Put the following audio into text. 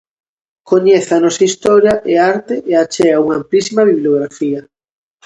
Coñece a nosa historia e arte e achega unha amplísima bibliografía.